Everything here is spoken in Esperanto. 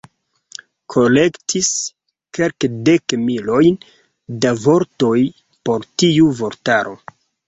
Kolektis kelkdek milojn da vortoj por tiu vortaro.